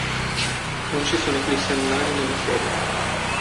Non ci sono eclissi anulari nella serie.